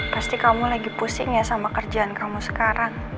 pasti kamu lagi pusing ya sama kerjaan kamu sekarang